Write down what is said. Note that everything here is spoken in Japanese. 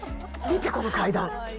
見てこの階段！